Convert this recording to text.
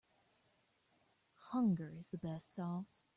Hunger is the best sauce.